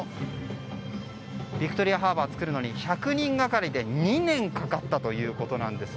ビクトリアハーバーを作るのに１００人がかりで２年かかったということなんです。